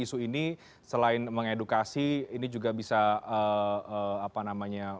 isu ini selain mengedukasi ini juga bisa apa namanya